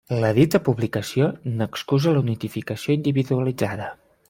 La dita publicació n'excusa la notificació individualitzada.